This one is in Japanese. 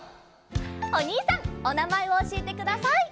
おにいさんおなまえをおしえてください。